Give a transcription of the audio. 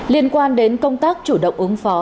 liên quan đến công tác chủ động ứng phó